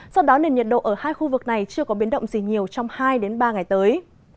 do đó nền nhiệt độ ở hai khu vực này chưa có biến động gì nhiều trong hai ba ngày tới